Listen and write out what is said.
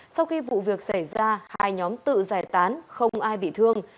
sau khi vụ việc xảy ra hai nhóm tự giải tán không ai bị thương